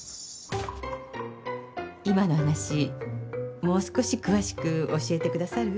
今の話もう少し詳しく教えてくださる？